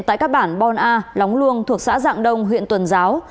tại các bản bon a lóng luông thuộc xã dạng đông huyện tuần giáo